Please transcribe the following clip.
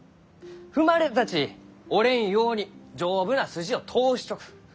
踏まれたち折れんように丈夫な筋を通しちょく。